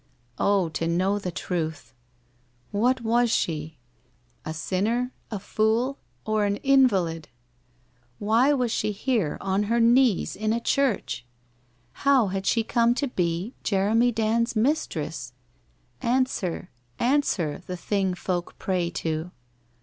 Oh, to know the truth! What was she? A sinner, a fool, or an invalid ? Why was she here, on her knees in a church? How had she come to be Jeremy Dand's mis tress? Answer? answer, the Thing folk pray to?